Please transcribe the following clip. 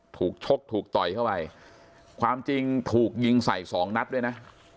ชกถูกต่อยเข้าไปความจริงถูกยิงใส่สองนัดด้วยนะ